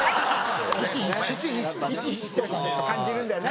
感じるんだね。